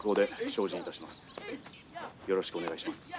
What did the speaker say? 「よろしくお願いします」。